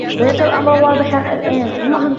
بات الأمر واضحا الآن.